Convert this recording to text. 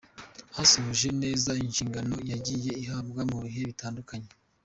Yasohoje neza inshingano yagiye ahabwa mu bihe bitandukanye.